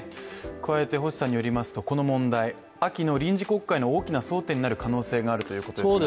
加えて星さんによりますとこの問題秋の臨時国会の大きな争点になる可能性があるということですか。